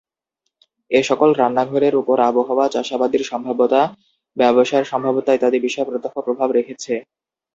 এসকল রান্নাঘরের উপর আবহাওয়া, চাষাবাদের সম্ভাব্যতা, ব্যবসার সম্ভাব্যতা ইত্যাদি বিষয় প্রত্যক্ষ প্রভাব রেখেছে।